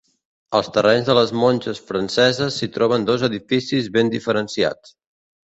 Als terrenys de les Monges Franceses s'hi troben dos edificis ben diferenciats.